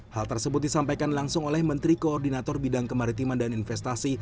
hal tersebut disampaikan langsung oleh menteri koordinator bidang kemaritiman dan investasi